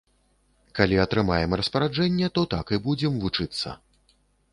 Калі атрымаем распараджэнне, то так і будзем вучыцца.